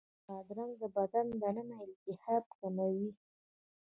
بادرنګ د بدن دننه التهاب کموي.